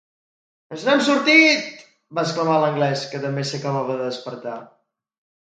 "Ens n'hem sortit!", va exclamar l'Anglès, que també s'acabava de despertar.